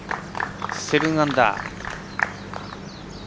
７アンダー。